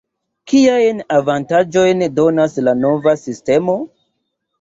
Kiajn avantaĝojn donas la nova sistemo?